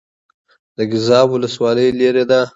د ګیزاب ولسوالۍ لیرې ده